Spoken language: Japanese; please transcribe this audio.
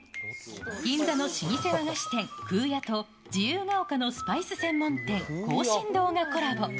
銀座の老舗和菓子店、空也と自由が丘のスパイス専門店、こうしん堂がコラボ。